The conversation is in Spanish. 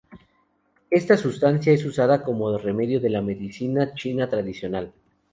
Esta sustancia es usada como remedio de la medicina china tradicional.